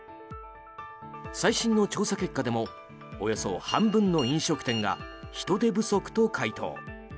最新の調査結果でもおよそ半分の飲食店が人手不足と回答。